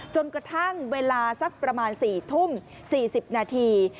จนกระทั่งเวลาสักประมาณ๔ทุ่ม๔๐นาที